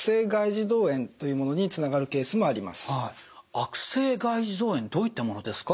悪性外耳道炎どういったものですか？